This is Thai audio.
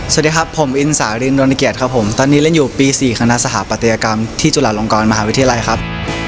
สวัสดีครับผมอินสารินโดนเกียรติครับผมตอนนี้เล่นอยู่ปี๔คณะสถาปัตยกรรมที่จุฬาลงกรมหาวิทยาลัยครับ